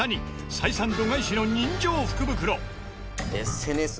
採算度外視の人情福袋。